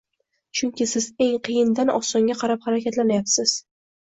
Chunki siz eng qiyindan osonga qarab harakatlanayapsiz.